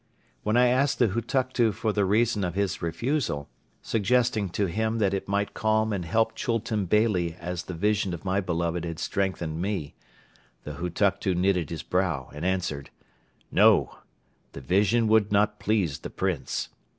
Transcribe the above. When I asked the Hutuktu for the reason of his refusal, suggesting to him that it might calm and help Chultun Beyli as the vision of my beloved had strengthened me, the Hutuktu knitted his brow and answered: "No! The vision would not please the Prince.